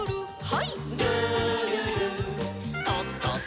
はい。